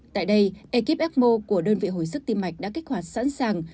tại đây ekip ecmo của đơn vị hồi sức tim mạch đã kích hoạt sẵn sàng